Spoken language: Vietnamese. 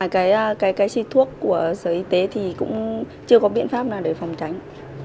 cái chi thuốc của sở y tế thì cũng chưa có biện pháp nào để phòng tránh